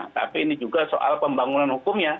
tapi ini juga soal pembangunan hukumnya